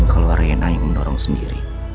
kalau rna yang mendorong sendiri